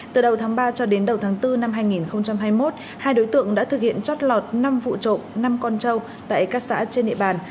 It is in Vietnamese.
từ đầu tháng ba cho đến đầu tháng bốn năm hai nghìn hai mươi một hai đối tượng đã thực hiện chót lọt năm vụ trộm năm con trâu tại các xã trên địa bàn